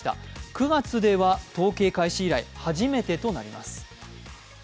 ９月では統計開始以来、初めてとなります。